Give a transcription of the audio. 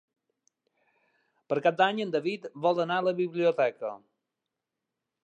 Per Cap d'Any en David vol anar a la biblioteca.